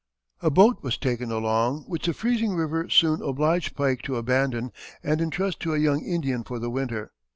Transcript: A boat was taken along, which the freezing river soon obliged Pike to abandon and intrust to a young Indian for the winter.